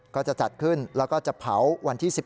ก็จะจัดขึ้นแล้วก็จะเผาวันที่๑๘